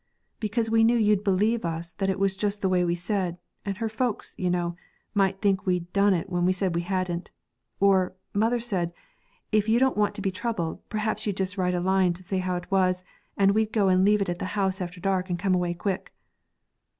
'Because we knew you'd b'lieve us that it was just the way we said; and her folks, you know, might think we'd done it when we said we hadn't. Or, mother said, if you didn't want to be troubled, perhaps you'd just write a line to say how it was, and we'll go and leave it at the house after dark and come away quick.'